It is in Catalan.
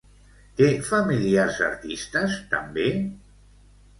Té familiars artistes també?